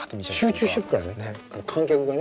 集中してるからね観客がね。